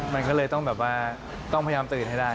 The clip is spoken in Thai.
มันก็เลยต้องแบบว่าต้องพยายามตื่นให้ได้